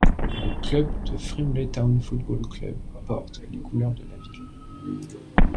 Le club de Frimley Town Football Club porte les couleurs de la ville.